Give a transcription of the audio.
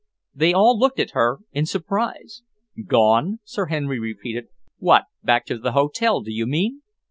They all looked at her in surprise. "Gone?" Sir Henry repeated. "What, back to the hotel, do you mean?"